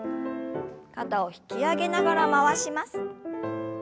肩を引き上げながら回します。